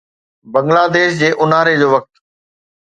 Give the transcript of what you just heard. بنگلاديش جي اونهاري جو وقت